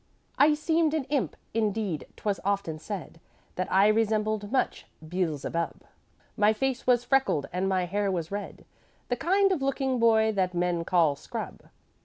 "'I seemed an imp indeed 'twas often said That I resembled much Beelzebub. My face was freckled and my hair was red The kind of looking boy that men call scrub.